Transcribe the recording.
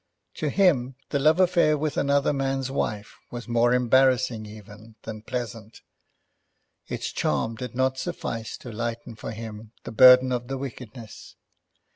To him the love affair with another man's wife was more embarrassing even than pleasant. Its charm did not suffice to lighten for him the burden of the wickedness.